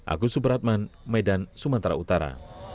agus subratman medan sumatera utara